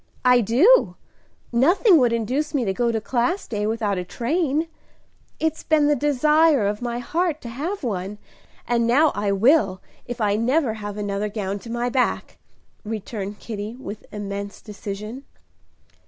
"I do! Nothing would induce me to go to Class Day without a train. It's been the desire of my heart to have one, and now I will, if I never have another gown to my back!" returned Kitty, with immense decision.